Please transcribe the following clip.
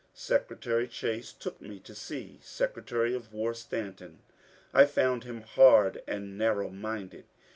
Secretary Chase took me to see Secretary of War Stanton. I found him hard and narrow minded.